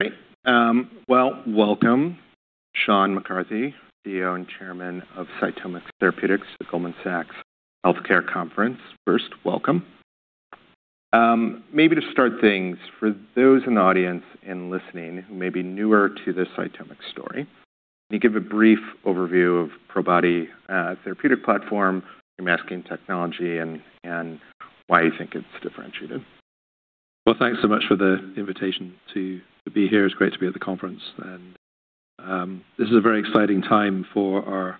Great. Well, welcome, Sean McCarthy, Chief Executive Officer and Chairman of CytomX Therapeutics to Goldman Sachs Healthcare Conference. First, welcome. To start things, for those in the audience and listening who may be newer to the CytomX story, can you give a brief overview of Probody therapeutic platform, your masking technology, and why you think it's differentiated? Well, thanks so much for the invitation to be here. It's great to be at the conference. This is a very exciting time for our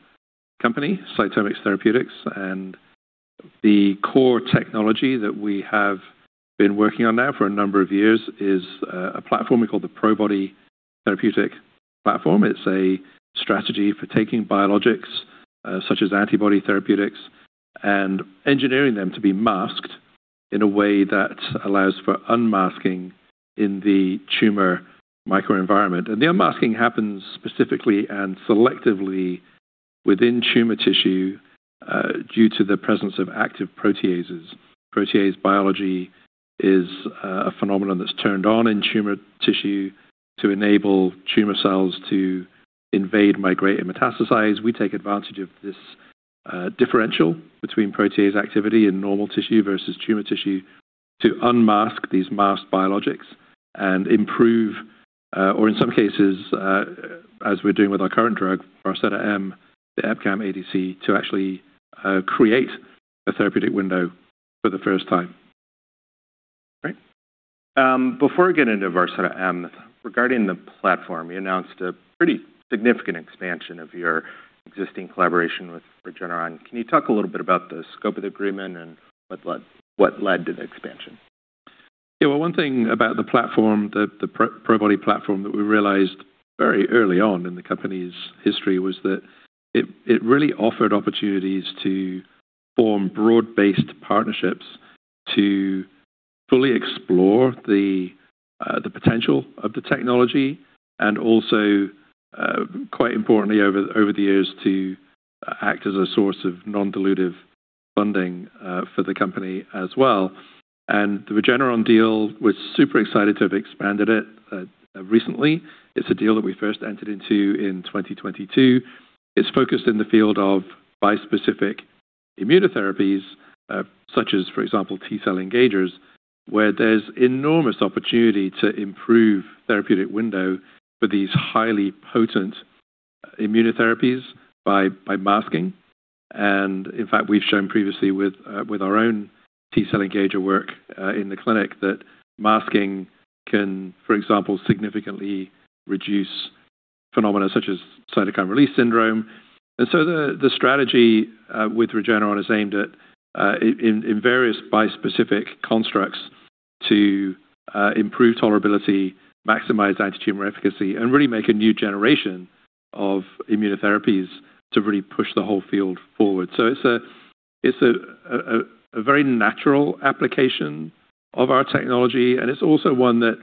company, CytomX Therapeutics, and the core technology that we have been working on now for a number of years is a platform we call the Probody therapeutic platform. It's a strategy for taking biologics, such as antibody therapeutics, and engineering them to be masked in a way that allows for unmasking in the tumor microenvironment. The unmasking happens specifically and selectively within tumor tissue due to the presence of active proteases. Protease biology is a phenomenon that's turned on in tumor tissue to enable tumor cells to invade, migrate, and metastasize. We take advantage of this differential between protease activity in normal tissue versus tumor tissue to unmask these masked biologics and improve, or in some cases, as we're doing with our current drug, Varseta-M, the EpCAM ADC, to actually create a therapeutic window for the first time. Great. Before we get into Varseta-M, regarding the platform, you announced a pretty significant expansion of your existing collaboration with Regeneron. Can you talk a little bit about the scope of the agreement and what led to the expansion? Well, one thing about the Probody platform that we realized very early on in the company's history was that it really offered opportunities to form broad-based partnerships to fully explore the potential of the technology, and also quite importantly over the years, to act as a source of non-dilutive funding for the company as well. The Regeneron deal, we're super excited to have expanded it recently. It's a deal that we first entered into in 2022. It's focused in the field of bispecific immunotherapies, such as, for example, T-cell engagers, where there's enormous opportunity to improve therapeutic window for these highly potent immunotherapies by masking. In fact, we've shown previously with our own T-cell engager work in the clinic that masking can, for example, significantly reduce phenomena such as cytokine release syndrome. The strategy with Regeneron is aimed at in various bispecific constructs to improve tolerability, maximize antitumor efficacy, and really make a new generation of immunotherapies to really push the whole field forward. It's a very natural application of our technology, and it's also one that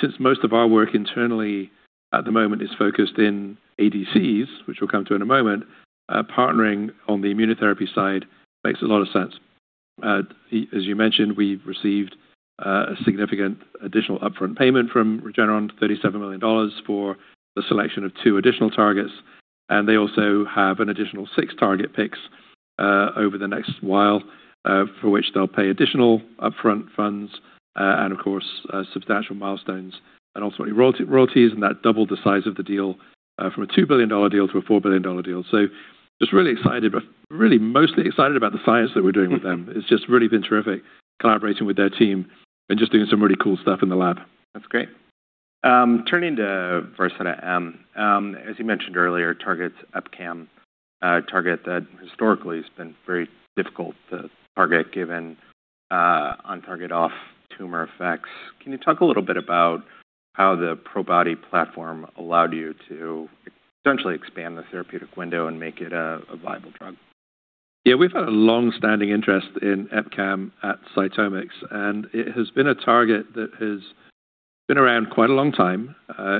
since most of our work internally at the moment is focused in ADCs, which we'll come to in a moment, partnering on the immunotherapy side makes a lot of sense. As you mentioned, we've received a significant additional upfront payment from Regeneron, $37 million, for the selection of two additional targets, and they also have an additional six target picks over the next while, for which they'll pay additional upfront funds and, of course, substantial milestones and ultimately royalties. That doubled the size of the deal from a $2 billion deal to a $4 billion deal. Just really excited, but really mostly excited about the science that we're doing with them. It's just really been terrific collaborating with their team and just doing some really cool stuff in the lab. That's great. Turning to Varseta-M, as you mentioned earlier, targets EpCAM, a target that historically has been very difficult to target given on-target off-tumor effects. Can you talk a little bit about how the Probody platform allowed you to essentially expand the therapeutic window and make it a viable drug? We've had a longstanding interest in EpCAM at CytomX, and it has been a target that has been around quite a long time.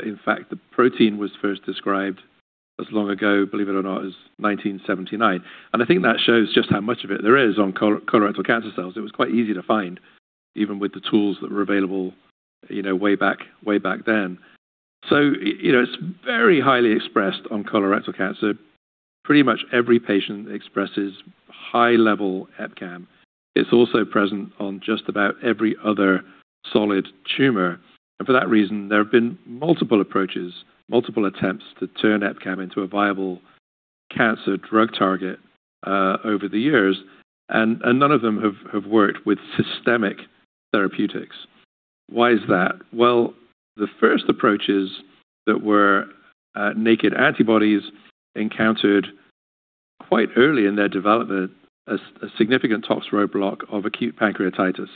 In fact, the protein was first described as long ago, believe it or not, as 1979, and I think that shows just how much of it there is on colorectal cancer cells. It was quite easy to find, even with the tools that were available way back then. It's very highly expressed on colorectal cancer. Pretty much every patient expresses high level EpCAM. It's also present on just about every other solid tumor. And for that reason, there have been multiple approaches, multiple attempts to turn EpCAM into a viable cancer drug target over the years, and none of them have worked with systemic therapeutics. Why is that? The first approaches that were naked antibodies encountered quite early in their development a significant tox road block of acute pancreatitis.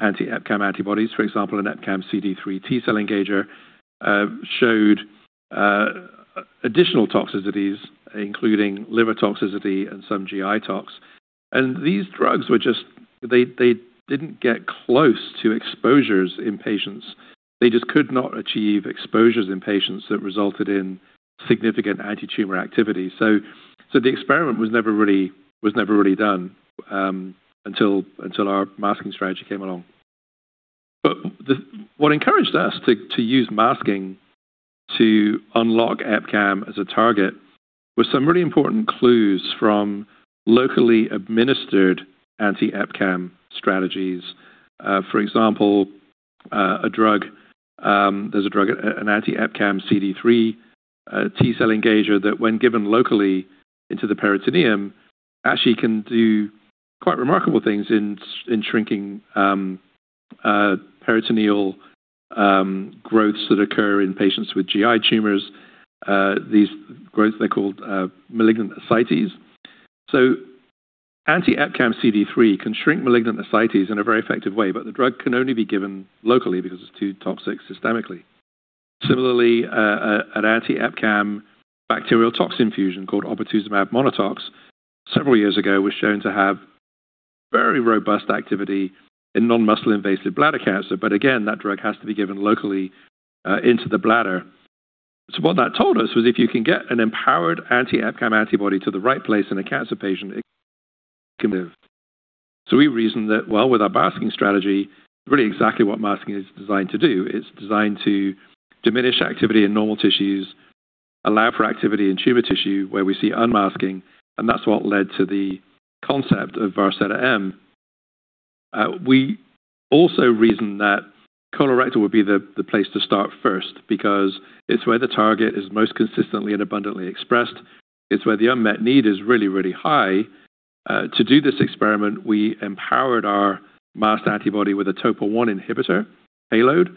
Subsequent approaches with higher affinity or empowered anti-EpCAM antibodies, for example, an EpCAM CD3 T-cell engager, showed additional toxicities, including liver toxicity and some GI tox. And these drugs didn't get close to exposures in patients. They just could not achieve exposures in patients that resulted in significant anti-tumor activity. The experiment was never really done until our masking strategy came along. But what encouraged us to use masking to unlock EpCAM as a target was some really important clues from locally administered anti-EpCAM strategies. For example, there's a drug, an anti-EpCAM CD3 T-cell engager that when given locally into the peritoneum, actually can do quite remarkable things in shrinking peritoneal growths that occur in patients with GI tumors. These growths, they're called malignant ascites. Anti-EpCAM CD3 can shrink malignant ascites in a very effective way, but the drug can only be given locally because it's too toxic systemically. Similarly, an anti-EpCAM bacterial toxin fusion called oportuzumab monatox several years ago was shown to have very robust activity in non-muscle invasive bladder cancer. But again, that drug has to be given locally into the bladder. What that told us was if you can get an empowered anti-EpCAM antibody to the right place in a cancer patient, it can live. We reasoned that, with our masking strategy, really exactly what masking is designed to do. It's designed to diminish activity in normal tissues, allow for activity in tumor tissue where we see unmasking, and that's what led to the concept of Varseta-M. We also reasoned that colorectal would be the place to start first because it's where the target is most consistently and abundantly expressed. It's where the unmet need is really, really high. To do this experiment, we empowered our masked antibody with a TOPO1 inhibitor payload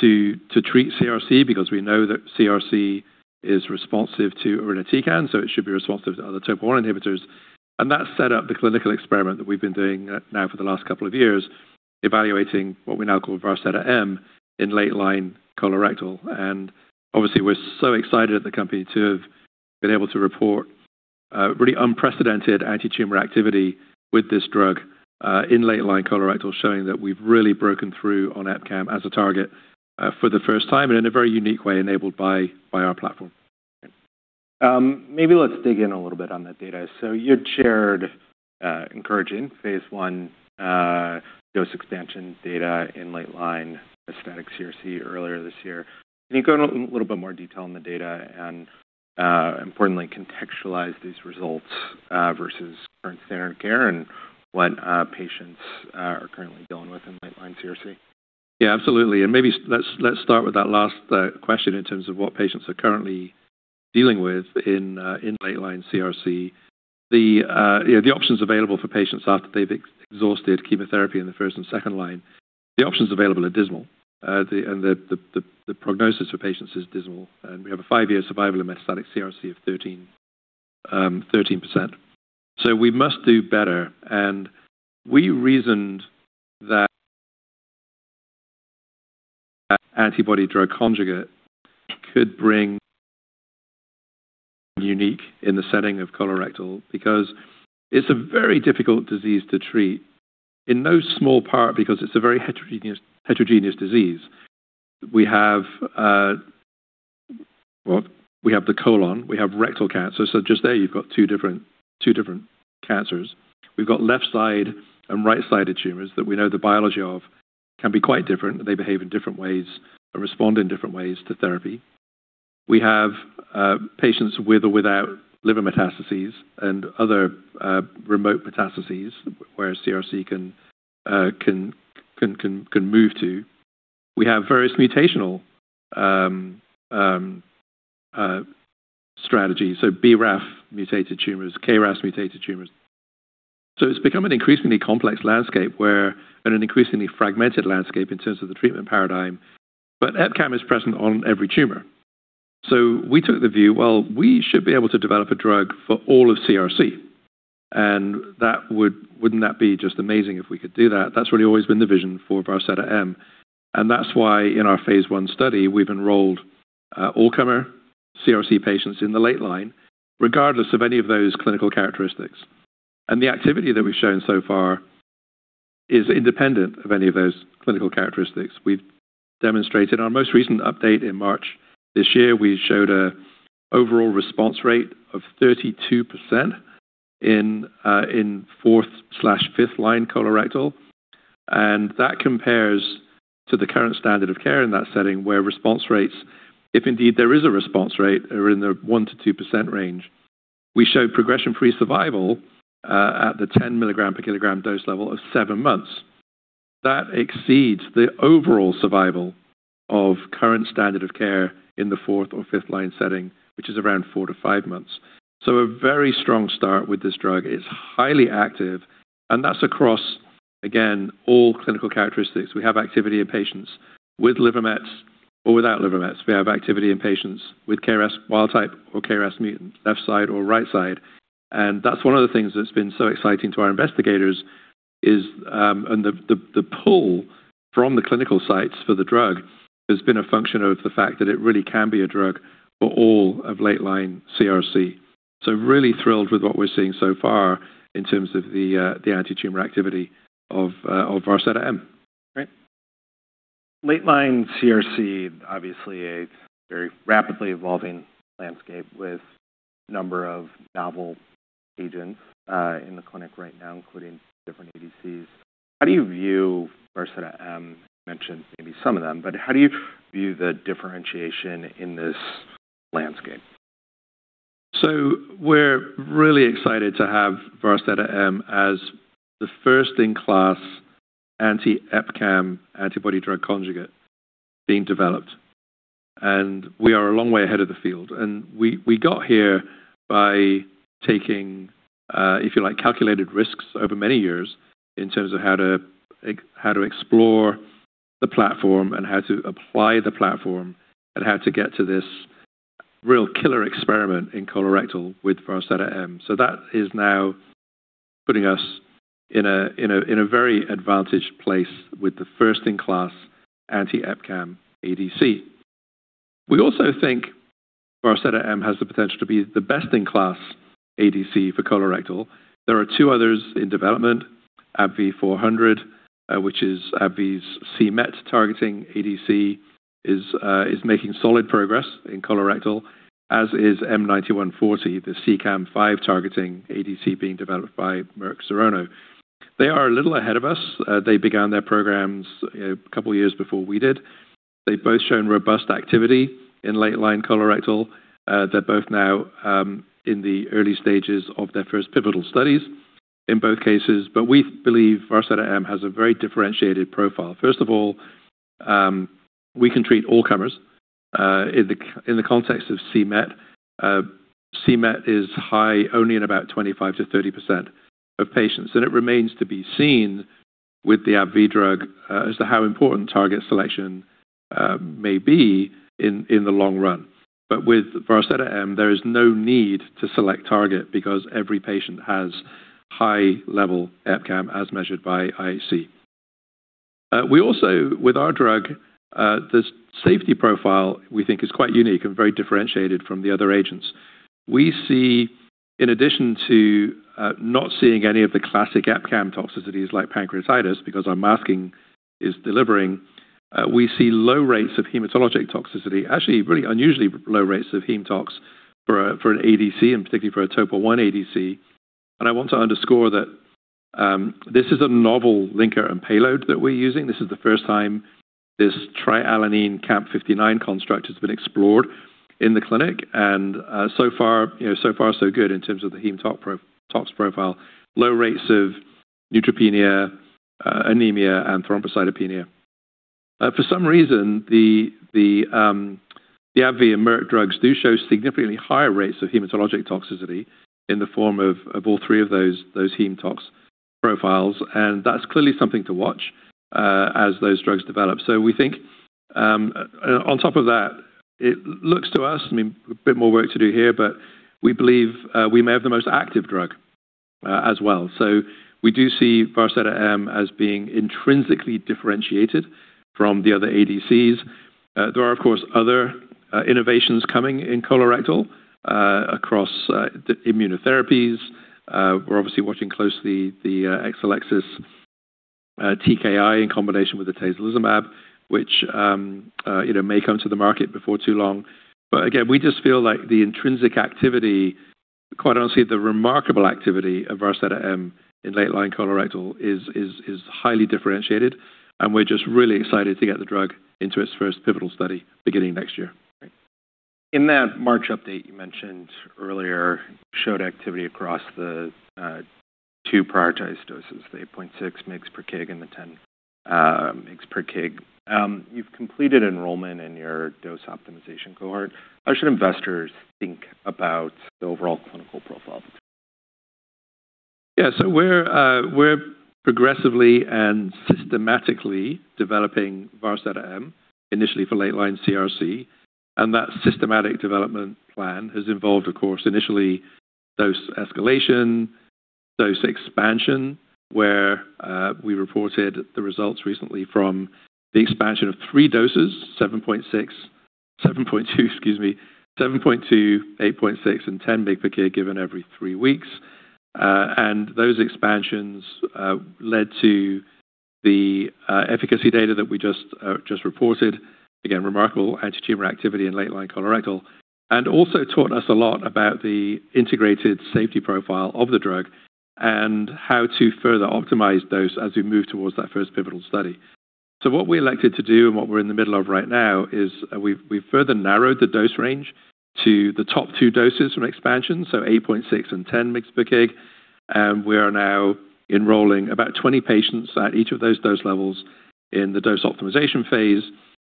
to treat CRC because we know that CRC is responsive to irinotecan, so it should be responsive to other TOPO1 inhibitors. And that set up the clinical experiment that we've been doing now for the last couple of years, evaluating what we now call Varseta-M in late-line colorectal. And obviously, we're so excited at the company to have been able to report really unprecedented anti-tumor activity with this drug in late-line colorectal, showing that we've really broken through on EpCAM as a target for the first time and in a very unique way enabled by our platform. Maybe let's dig in a little bit on that data. You had shared encouraging phase I dose expansion data in late-line metastatic CRC earlier this year. Can you go in a little bit more detail on the data and importantly contextualize these results versus current standard of care and what patients are currently dealing with in late-line CRC? Yeah, absolutely. Maybe let's start with that last question in terms of what patients are currently dealing with in late-line CRC. The options available for patients after they've exhausted chemotherapy in the first and second line, the options available are dismal. The prognosis for patients is dismal, and we have a five-year survival in metastatic CRC of 13%. We must do better, and we reasoned that antibody-drug conjugate could bring unique in the setting of colorectal because it's a very difficult disease to treat, in no small part because it's a very heterogeneous disease. We have the colon, we have rectal cancer, so just there you've got two different cancers. We've got left side and right-sided tumors that we know the biology of can be quite different, and they behave in different ways and respond in different ways to therapy. We have patients with or without liver metastases and other remote metastases, where CRC can move to. We have various mutational strategies, BRAF mutated tumors, KRAS mutated tumors. It's become an increasingly complex landscape where, in an increasingly fragmented landscape in terms of the treatment paradigm, but EpCAM is present on every tumor. We took the view, well, we should be able to develop a drug for all of CRC, and wouldn't that be just amazing if we could do that? That's really always been the vision for Varseta-M, and that's why in our phase I study, we've enrolled all-comer CRC patients in the late line, regardless of any of those clinical characteristics. The activity that we've shown so far is independent of any of those clinical characteristics. We've demonstrated our most recent update in March this year. We showed an overall response rate of 32% in fourth/fifth line colorectal, and that compares to the current standard of care in that setting where response rates, if indeed there is a response rate, are in the 1%-2% range. We showed progression-free survival at the 10 milligram per kilogram dose level of seven months. That exceeds the overall survival of current standard of care in the fourth or fifth line setting, which is around four to five months. A very strong start with this drug. It's highly active, and that's across, again, all clinical characteristics. We have activity in patients with liver mets or without liver mets. We have activity in patients with KRAS wild type or KRAS mutant, left side or right side. That's one of the things that's been so exciting to our investigators, the pull from the clinical sites for the drug has been a function of the fact that it really can be a drug for all of late-line CRC. Really thrilled with what we're seeing so far in terms of the anti-tumor activity of Varseta-M. Right. Late-line CRC, obviously a very rapidly evolving landscape with a number of novel agents in the clinic right now, including different ADCs. How do you view Varseta-M, you mentioned maybe some of them, but how do you view the differentiation in this landscape? We're really excited to have Varseta-M as the first-in-class anti-EpCAM antibody drug conjugate being developed. We are a long way ahead of the field. We got here by taking, if you like, calculated risks over many years in terms of how to explore the platform and how to apply the platform and how to get to this real killer experiment in colorectal with Varseta-M. That is now putting us in a very advantaged place with the first-in-class anti-EpCAM ADC. We also think Varseta-M has the potential to be the best-in-class ADC for colorectal. There are two others in development, ABBV-400, which is AbbVie's c-Met targeting ADC, is making solid progress in colorectal, as is M9140, the CEACAM5 targeting ADC being developed by Merck Serono. They are a little ahead of us. They began their programs a couple of years before we did. They've both shown robust activity in late-line colorectal. They're both now in the early stages of their first pivotal studies in both cases. We believe Varseta-M has a very differentiated profile. First of all, we can treat all comers in the context of c-Met. c-Met is high only in about 25%-30% of patients. It remains to be seen with the AbbVie drug as to how important target selection may be in the long run. With Varseta-M, there is no need to select target because every patient has high-level EpCAM as measured by IHC. We also, with our drug, the safety profile we think is quite unique and very differentiated from the other agents. We see, in addition to not seeing any of the classic EpCAM toxicities like pancreatitis because our masking is delivering, we see low rates of hematologic toxicity, actually really unusually low rates of heme tox for an ADC and particularly for a TOPO1 ADC. I want to underscore that this is a novel linker and payload that we're using. This is the first time this tri-alanine camptothecin construct has been explored in the clinic. So far so good in terms of the heme tox profile. Low rates of neutropenia, anemia, and thrombocytopenia. For some reason, the AbbVie and Merck drugs do show significantly higher rates of hematologic toxicity in the form of all three of those heme tox profiles, that's clearly something to watch as those drugs develop. We think on top of that, it looks to us, a bit more work to do here, but we believe we may have the most active drug as well. We do see Varseta-M as being intrinsically differentiated from the other ADCs. There are, of course, other innovations coming in colorectal across the immunotherapies. We're obviously watching closely the Exelixis TKI in combination with the atezolizumab, which may come to the market before too long. Again, we just feel like the intrinsic activity, quite honestly, the remarkable activity of Varseta-M in late-line colorectal is highly differentiated, and we're just really excited to get the drug into its first pivotal study beginning next year. That March update you mentioned earlier, showed activity across the two prioritized doses, the 8.6 mg per kg and the 10 mg per kg. You've completed enrollment in your dose optimization cohort. How should investors think about the overall clinical profile? We're progressively and systematically developing Varseta-M, initially for late-line CRC. That systematic development plan has involved, of course, initially dose escalation, dose expansion, where we reported the results recently from the expansion of three doses, 7.2 mg, 8.6 mg, and 10 mg per kg given every three weeks. Those expansions led to the efficacy data that we just reported, again, remarkable anti-tumor activity in late-line colorectal, also taught us a lot about the integrated safety profile of the drug and how to further optimize dose as we move towards that first pivotal study. What we elected to do and what we're in the middle of right now is we've further narrowed the dose range to the top two doses from expansion, 8.6 mg and 10 mg per kg. We are now enrolling about 20 patients at each of those two dose levels in the dose optimization phase,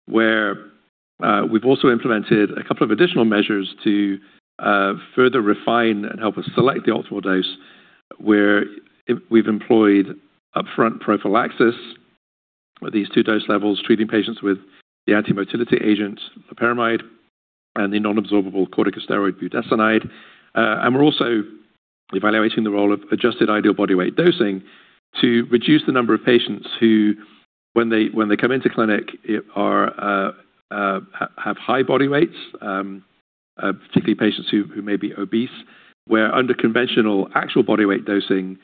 where we've also evaluating the role of adjusted ideal body weight dosing to reduce the number of patients who, when they come into clinic, have high body weights, particularly patients who may be obese, where under conventional actual body weight dosing,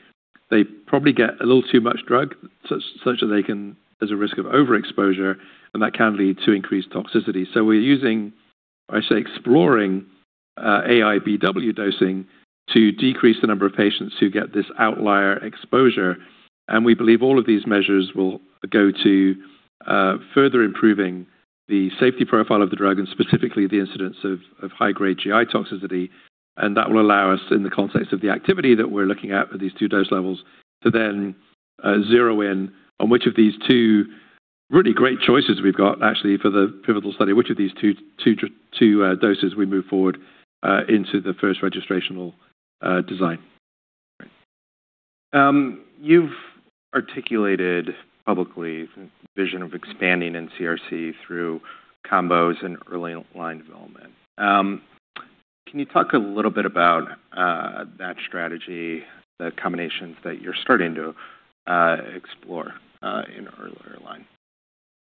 they probably get a little too much drug, such that there's a risk of overexposure, and that can lead to increased toxicity. We're using, I say, exploring AIBW dosing to decrease the number of patients who get this outlier exposure. We believe all of these measures will go to further improving the safety profile of the drug and specifically the incidence of high-grade GI toxicity. That will allow us, in the context of the activity that we're looking at for these 2 dose levels, to then zero in on which of these two really great choices we've got, actually, for the pivotal study, which of these 2 doses we move forward into the first registrational design. Great. You've articulated publicly the vision of expanding in CRC through combos and early line development. Can you talk a little bit about that strategy, the combinations that you're starting to explore in earlier line?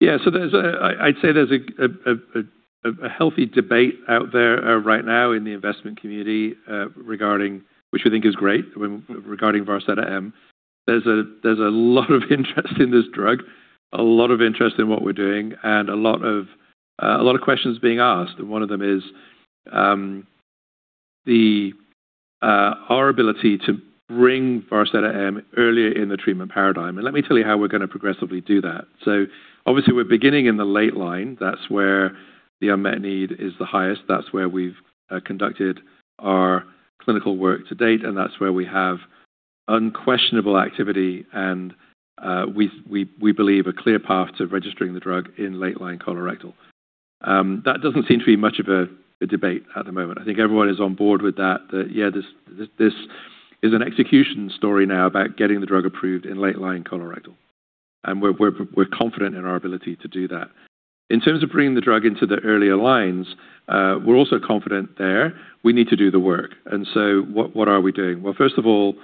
Yeah. I'd say there's a healthy debate out there right now in the investment community regarding, which we think is great, regarding Varseta-M. There's a lot of interest in this drug, a lot of interest in what we're doing, and a lot of questions being asked. One of them is our ability to bring Varseta-M earlier in the treatment paradigm. Let me tell you how we're going to progressively do that. Obviously, we're beginning in the late line. That's where the unmet need is the highest. That's where we've conducted our clinical work to date, and that's where we have unquestionable activity, and we believe a clear path to registering the drug in late-line colorectal. That doesn't seem to be much of a debate at the moment. I think everyone is on board with that, yeah, this is an execution story now about getting the drug approved in late-line colorectal. We're confident in our ability to do that. In terms of bringing the drug into the earlier lines, we're also confident there. We need to do the work. What are we doing? Well, first of all,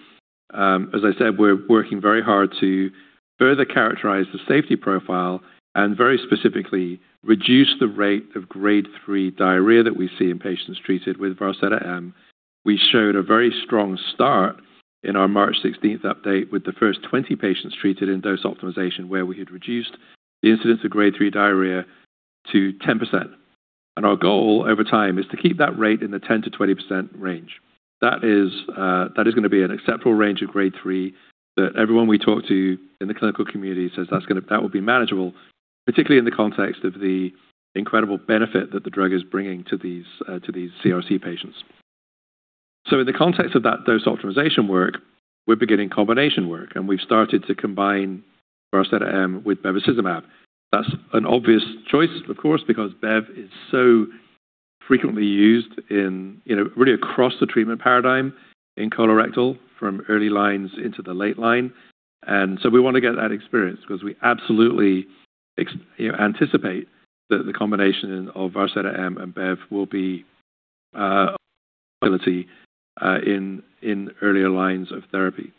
as I said, we're working very hard to further characterize the safety profile and very specifically reduce the rate of Grade 3 diarrhea that we see in patients treated with Varseta-M. We showed a very strong start in our March 16th update with the first 20 patients treated in dose optimization, where we had reduced the incidence of Grade 3 diarrhea to 10%. Our goal over time is to keep that rate in the 10%-20% range. That is going to be an acceptable range of Grade 3 that everyone we talk to in the clinical community says that will be manageable, particularly in the context of the incredible benefit that the drug is bringing to these CRC patients. In the context of that dose optimization work, we're beginning combination work, and we've started to combine Varseta-M with bevacizumab. That's an obvious choice, of course, because Bev is so frequently used really across the treatment paradigm in colorectal from early lines into the late line. We want to get that experience because we absolutely anticipate that the combination of Varseta-M and Bev will be a possibility in earlier lines of therapy.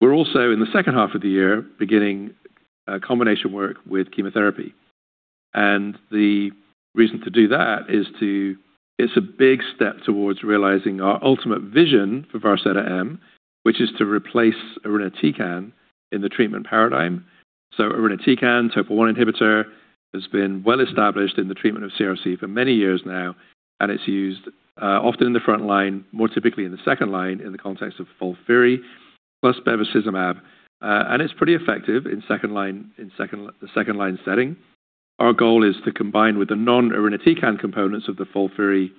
We're also in the second half of the year beginning combination work with chemotherapy. The reason to do that is it's a big step towards realizing our ultimate vision for Varseta-M, which is to replace irinotecan in the treatment paradigm. Irinotecan, TOPO1 inhibitor, has been well established in the treatment of CRC for many years now, and it's used often in the front line, more typically in the second line in the context of FOLFIRI plus bevacizumab. It's pretty effective in the second line setting. Our goal is to combine with the non-irinotecan components of the FOLFIRI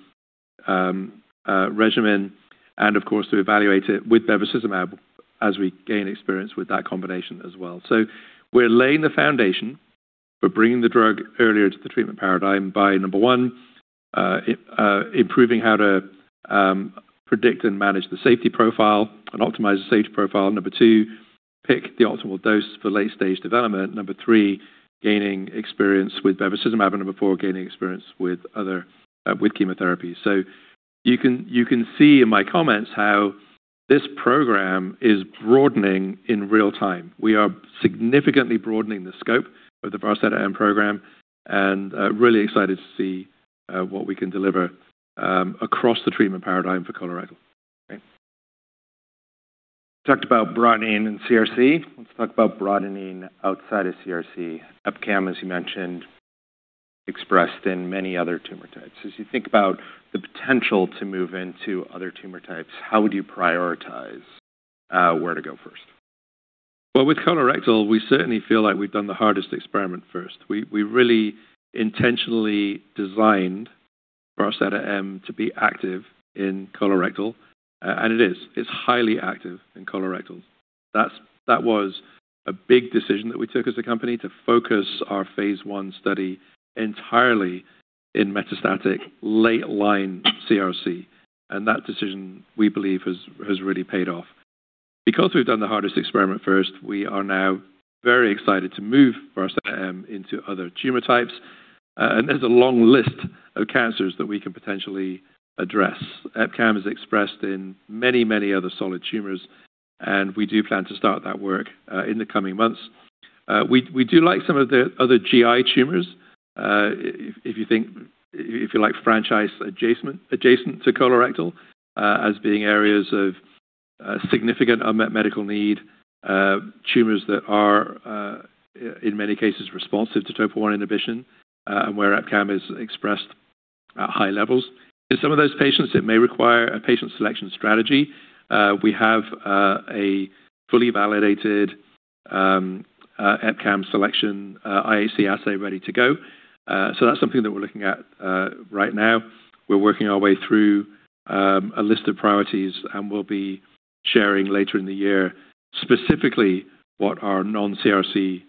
regimen and, of course, to evaluate it with bevacizumab as we gain experience with that combination as well. We're laying the foundation for bringing the drug earlier to the treatment paradigm by, number one, improving how to predict and manage the safety profile and optimize the safety profile. Number two, pick the optimal dose for late-stage development. Number three, gaining experience with bevacizumab. Number four, gaining experience with chemotherapy. You can see in my comments how this program is broadening in real time. We are significantly broadening the scope of the Varseta-M program and really excited to see what we can deliver across the treatment paradigm for colorectal. Great. Talked about broadening in CRC. Let's talk about broadening outside of CRC. EpCAM, as you mentioned, expressed in many other tumor types. As you think about the potential to move into other tumor types, how would you prioritize where to go first? Well, with colorectal, we certainly feel like we've done the hardest experiment first. We really intentionally designed Varseta-M to be active in colorectal, and it is. It's highly active in colorectal. That was a big decision that we took as a company to focus our phase I study entirely in metastatic late-line CRC, and that decision, we believe, has really paid off because we've done the hardest experiment first, we are now very excited to move Varseta-M into other tumor types. There's a long list of cancers that we can potentially address. EpCAM is expressed in many, many other solid tumors, and we do plan to start that work in the coming months. We do like some of the other GI tumors, if you like franchise adjacent to colorectal, as being areas of significant unmet medical need, tumors that are, in many cases, responsive to TOPO1 inhibition, and where EpCAM is expressed at high levels. In some of those patients, it may require a patient selection strategy. We have a fully validated EpCAM selection IHC assay ready to go. That's something that we're looking at right now. We're working our way through a list of priorities, and we'll be sharing later in the year specifically what the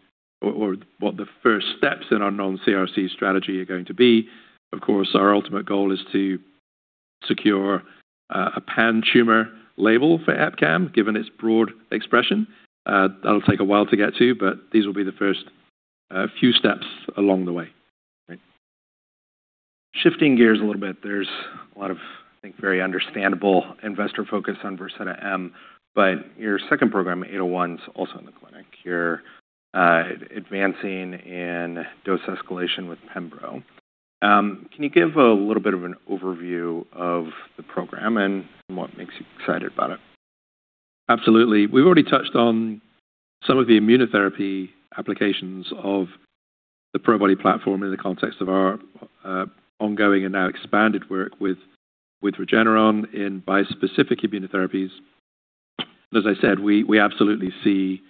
first steps in our non-CRC strategy are going to be. Of course, our ultimate goal is to secure a pan-tumor label for EpCAM, given its broad expression. That'll take a while to get to, but these will be the first few steps along the way. Right. Shifting gears a little bit, there's a lot of, I think, very understandable investor focus on Varseta-M, but your second program, CX-801, is also in the clinic. You're advancing in dose escalation with pembrolizumab. Can you give a little bit of an overview of the program and what makes you excited about it? Absolutely. We've already touched on some of the immunotherapy applications of the Probody platform in the context of our ongoing and now expanded work with Regeneron in bispecific immunotherapies. As I said, we absolutely see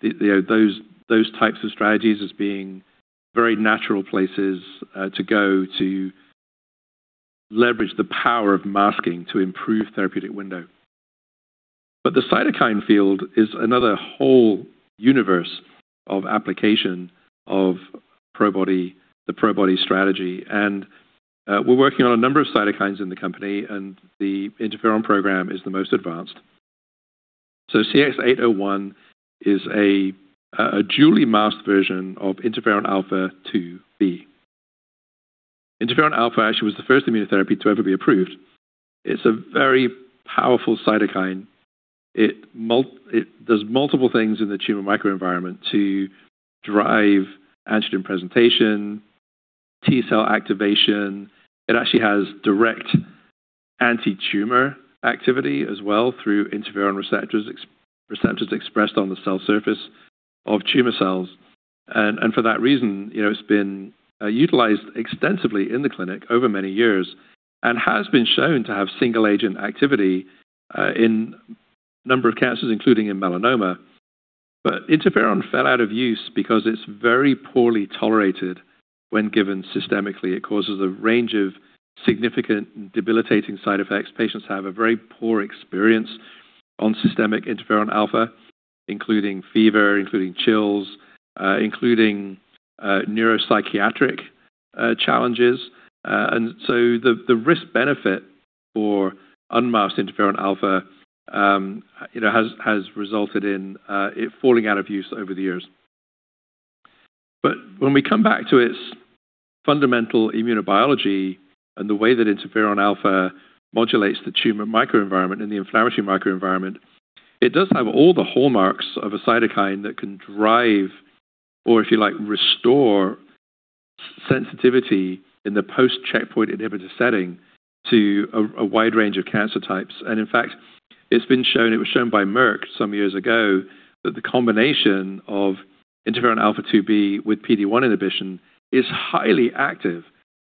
those types of strategies as being very natural places to go to leverage the power of masking to improve therapeutic window. The cytokine field is another whole universe of application of the Probody strategy, and we're working on a number of cytokines in the company, and the interferon program is the most advanced. CX-801 is a dually-masked version of interferon alfa-2b. Interferon alfa actually was the first immunotherapy to ever be approved. It's a very powerful cytokine. It does multiple things in the tumor microenvironment to drive antigen presentation, T-cell activation. It actually has direct anti-tumor activity as well through interferon receptors expressed on the cell surface of tumor cells. For that reason, it's been utilized extensively in the clinic over many years and has been shown to have single-agent activity in a number of cancers, including in melanoma. Interferon fell out of use because it's very poorly tolerated when given systemically. It causes a range of significant debilitating side effects. Patients have a very poor experience on systemic interferon alfa, including fever, including chills, including neuropsychiatric challenges. The risk-benefit for unmasked interferon alfa has resulted in it falling out of use over the years. When we come back to its fundamental immunobiology and the way that interferon alfa modulates the tumor microenvironment and the inflammatory microenvironment, it does have all the hallmarks of a cytokine that can drive, or if you like, restore sensitivity in the post-checkpoint inhibitor setting to a wide range of cancer types. In fact, it was shown by Merck some years ago that the combination of interferon alfa-2b with PD-1 inhibition is highly active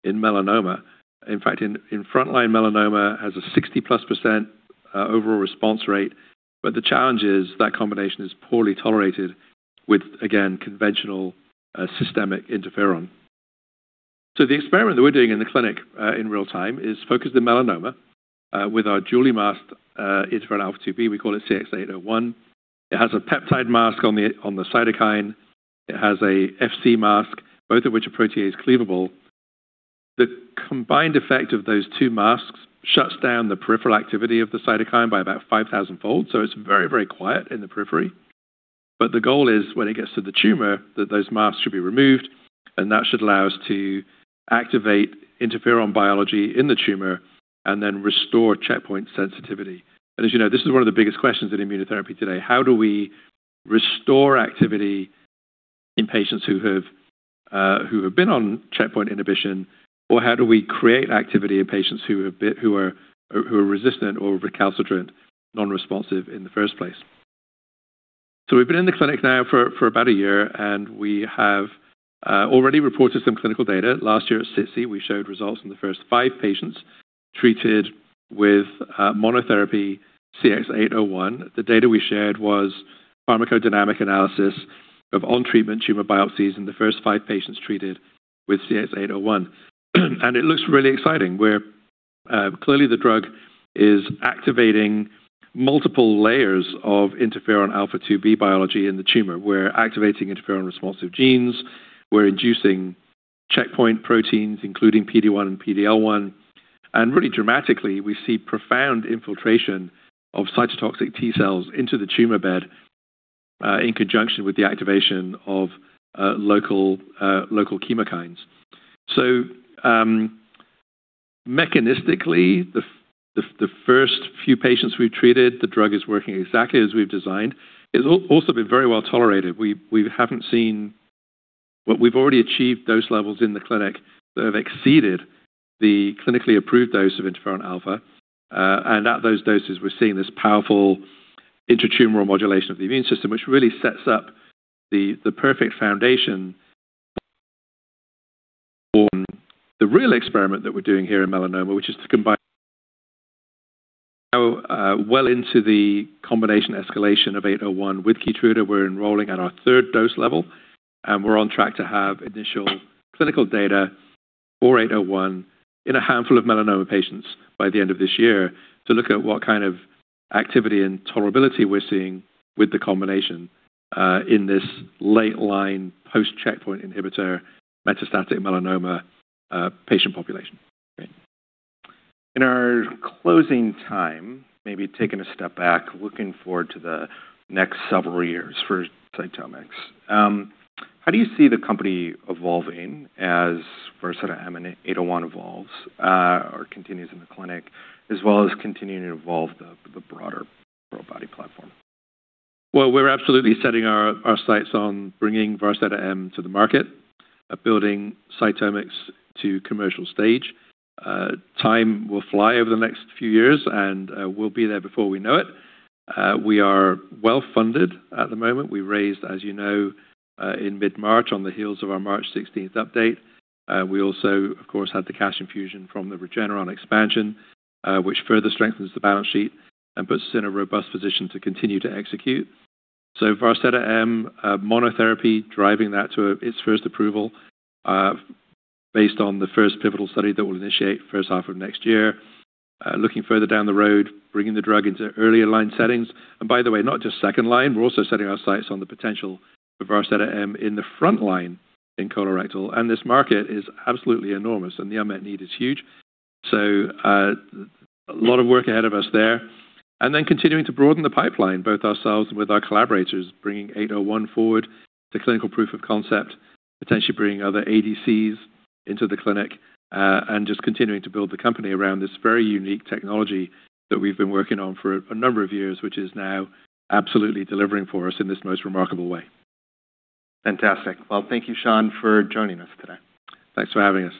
in melanoma. In fact, in frontline melanoma, has a 60-plus % overall response rate. The challenge is that combination is poorly tolerated with, again, conventional systemic interferon. The experiment that we're doing in the clinic in real time is focused in melanoma with our dually-masked interferon alfa-2b. We call it CX-801. It has a peptide mask on the cytokine. It has an Fc mask, both of which are protease cleavable. The combined effect of those two masks shuts down the peripheral activity of the cytokine by about 5,000-fold, so it's very, very quiet in the periphery. The goal is when it gets to the tumor, that those masks should be removed, and that should allow us to activate interferon biology in the tumor and then restore checkpoint sensitivity. As you know, this is one of the biggest questions in immunotherapy today. How do we restore activity in patients who have been on checkpoint inhibition, or how do we create activity in patients who are resistant or recalcitrant, non-responsive in the first place? We've been in the clinic now for about a year, and we have already reported some clinical data. Last year at SITC, we showed results in the first five patients treated with monotherapy CX-801. The data we shared was pharmacodynamic analysis of on-treatment tumor biopsies in the first five patients treated with CX-801, and it looks really exciting. Clearly, the drug is activating multiple layers of interferon alfa-2b biology in the tumor. We're activating interferon-responsive genes. We're inducing checkpoint proteins, including PD-1 and PD-L1. Really dramatically, we see profound infiltration of cytotoxic T cells into the tumor bed in conjunction with the activation of local chemokines. Mechanistically, the first few patients we've treated, the drug is working exactly as we've designed. It's also been very well tolerated. We've already achieved dose levels in the clinic that have exceeded the clinically approved dose of interferon alfa. At those doses, we're seeing this powerful intratumoral modulation of the immune system, which really sets up the perfect foundation for the real experiment that we're doing here in melanoma, which is to combine well into the combination escalation of 801 with KEYTRUDA. We're enrolling at our third dose level, and we're on track to have initial clinical data for CX-801 in a handful of melanoma patients by the end of this year to look at what kind of activity and tolerability we're seeing with the combination in this late-line post-checkpoint inhibitor metastatic melanoma patient population. Great. In our closing time, maybe taking a step back, looking forward to the next several years for CytomX, how do you see the company evolving as Varseta-M CX-801 evolves or continues in the clinic, as well as continuing to evolve the broader Probody platform? We're absolutely setting our sights on bringing Varseta-M to the market, building CytomX to commercial stage. Time will fly over the next few years, and we'll be there before we know it. We are well-funded at the moment. We raised, as you know, in mid-March on the heels of our March 16th update. We also, of course, had the cash infusion from the Regeneron expansion, which further strengthens the balance sheet and puts us in a robust position to continue to execute. Varseta-M monotherapy, driving that to its first approval based on the first pivotal study that we'll initiate first half of next year. Looking further down the road, bringing the drug into earlier line settings, and by the way, not just second line, we're also setting our sights on the potential of Varseta-M in the front line in colorectal. This market is absolutely enormous, and the unmet need is huge. A lot of work ahead of us there. Continuing to broaden the pipeline, both ourselves and with our collaborators, bringing CX-801 forward to clinical proof of concept, potentially bringing other ADCs into the clinic, and just continuing to build the company around this very unique technology that we've been working on for a number of years, which is now absolutely delivering for us in this most remarkable way. Fantastic. Well, thank you, Sean, for joining us today. Thanks for having me.